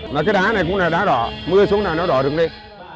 mà cái đá này cũng là đá đỏ mưa xuống là nó đỏ đường lên